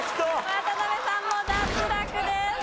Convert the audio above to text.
渡辺さんも脱落です。